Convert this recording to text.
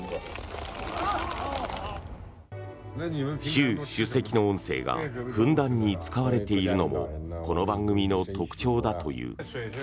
習主席の音声がふんだんに使われているのもこの番組の特徴だという。